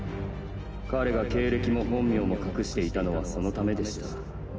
彼が経歴も本名も隠していたのはその為でした。